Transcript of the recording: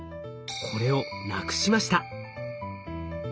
これをなくしました。